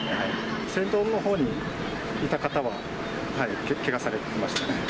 先頭のほうにいた方は、けがされていましたね。